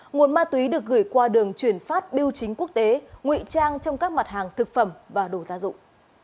nguồn ma túy được gửi qua đường chuyển phát biêu chính quốc tế ngụy trang trong các mặt hàng thực phẩm và đồ gia dụng